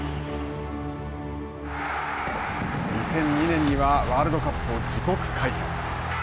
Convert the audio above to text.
２００２年には、ワールドカップを自国開催。